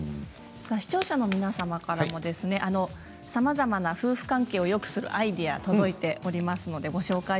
視聴者の皆さんからもさまざまな夫婦関係をよくするアイデアが届いています。